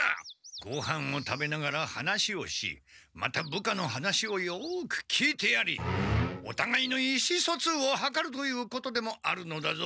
ごはんを食べながら話をしまた部下の話をよく聞いてやりおたがいの意思そつうをはかるということでもあるのだぞ。